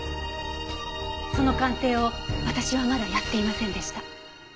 その鑑定を私はまだやっていませんでした。